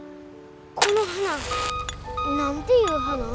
この花何ていう花？